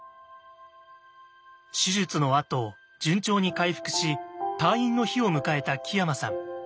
手術のあと順調に回復し退院の日を迎えた木山さん。